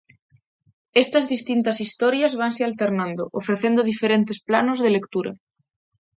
Estas distintas historias vanse alternando, ofrecendo diferentes planos de lectura.